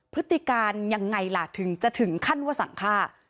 พฤติการยังไงล่ะถึงจะถึงขั้นว่าสั่งฆ่า